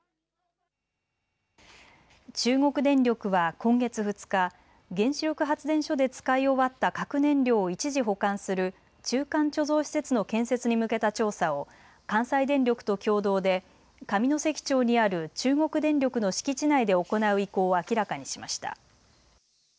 中国電力は今月２日、原子力発電所で使い終わった核燃料を一時保管する中間貯蔵施設の建設に向けた調査を関西電力と共同で上関町にある中国電力の敷地内で行う意向を明らかにしました。